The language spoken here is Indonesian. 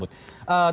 yang di cabut